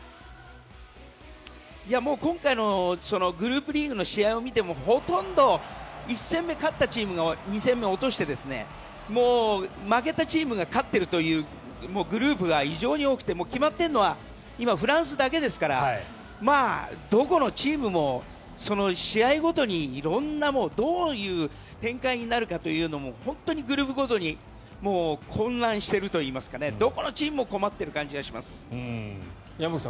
今回のグループリーグの試合を見てもほとんど１戦目勝ったチームが２戦目落としてもう負けたチームが勝っているというグループが異常に多くて、決まっているのは今、フランスだけですからどこのチームも試合ごとに色んなどういう展開になるかというのも本当にグループごとに混乱しているといいますかどこのチームも困っている感じがします。